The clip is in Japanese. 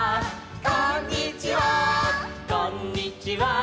「こんにちは」「」